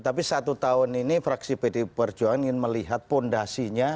tapi satu tahun ini fraksi pd perjuangan ingin melihat fondasinya